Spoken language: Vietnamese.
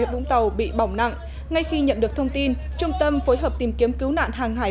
vũng tàu bị bỏng nặng ngay khi nhận được thông tin trung tâm phối hợp tìm kiếm cứu nạn hàng hải